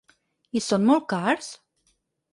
I són molt cars?